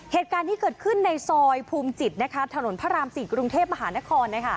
เหตุการณ์ที่เกิดขึ้นในซอยภูมิจิตถนนพระราม๔กรุงเทพมหานคร